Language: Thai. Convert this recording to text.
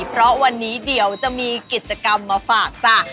เพราะวันนี้เดี๋ยวจะมีกิจกรรมมาฝากจ้ะ